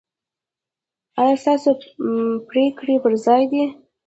ایا ستاسو پریکړې پر ځای دي؟